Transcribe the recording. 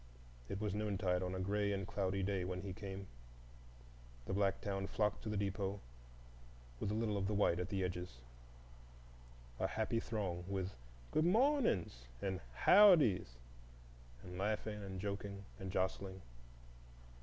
It was noontide on a gray and cloudy day when he came. The black town flocked to the depot, with a little of the white at the edges,—a happy throng, with "Good mawnings" and "Howdys" and laughing and joking and jostling.